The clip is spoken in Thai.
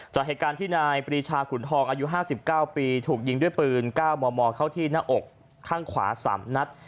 จากเหตุการณ์ที่นายปรีชาขุนทองอายุ๕๙ปีถูกยิงด้วยปืน๙มมเข้าที่หน้าอกข้างขวา๓นัด